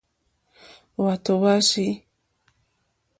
Hwátò hwá tʃǐ.